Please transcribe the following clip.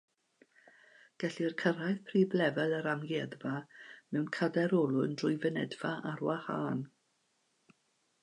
Gellir cyrraedd prif lefel yr amgueddfa mewn cadair olwyn drwy fynedfa ar wahân.